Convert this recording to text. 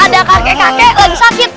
ada kakek kakek lagi sakit